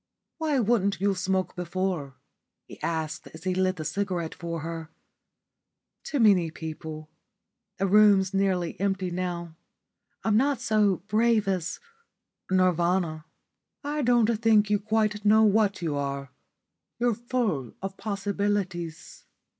"Why wouldn't you smoke before?" he asked as he lit the cigarette for her. "Too many people. The room's nearly empty now. I'm not so brave as Nirvana." "I don't think you quite know what you are. You're full of possibilities."